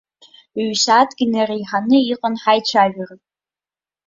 Ҩ-сааҭк инареиҳаны иҟан ҳаицәажәара.